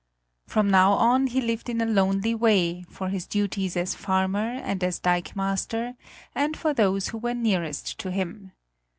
From now on he lived in a lonely way for his duties as farmer and as dikemaster and for those who were nearest to him.